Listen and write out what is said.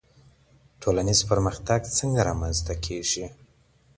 ټولنیز پرمختګ څنګه رامنځته کیږي؟